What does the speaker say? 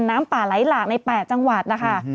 น้ำป่าไหลหลากใน๘จังหวัดนะคะ